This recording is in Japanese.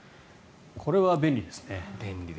これは便利ですね。